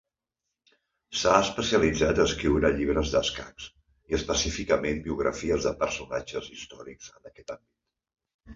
S’ha especialitzat a escriure llibres d'escacs, i específicament biografies de personatges històrics en aquest àmbit.